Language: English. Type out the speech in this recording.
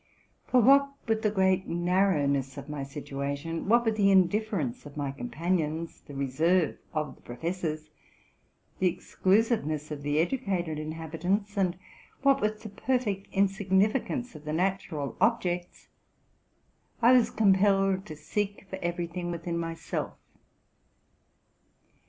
For, what with the great narrowness of my situation; what with the indifference of my companions, the reserve of the professors, the exclusive ness of the educated inhabitants ; and what with the perfect insignificance of the natural objects, —I was compelled to seek for every thing within myself.